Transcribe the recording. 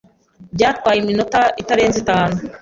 Byatwaye iminota itarenze itanu.